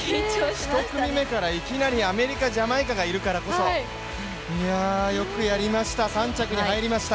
１組目からいきなりアメリカ、ジャマイカがいるからこそいや、よくやりました３着に入りました。